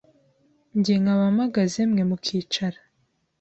njye nkaba mpagaze mwe mu kicara,